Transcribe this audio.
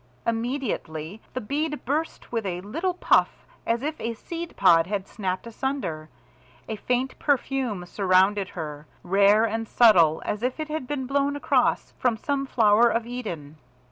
Immediately the bead burst with a little puff as if a seed pod had snapped asunder. A faint perfume surrounded her, rare and subtle as if it had been blown across from some flower of Eden.